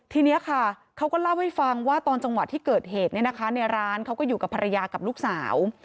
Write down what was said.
ทีนี้ค่ะเขาก็เล่าให้ฟังว่าตอนจังหวะที่เกิดเหตุในร้านเขาก็อยู่กับภรรยากับลูกสาว